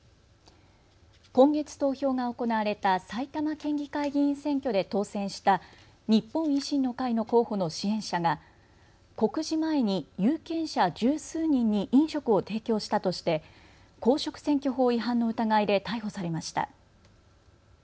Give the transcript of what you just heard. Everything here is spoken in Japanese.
今月、投票が行われた埼玉県議会議員選挙で当選した日本維新の会の候補の支援者が告示前に有権者十数人に飲食を提供したとして公職選挙法違反の疑いで逮捕されました。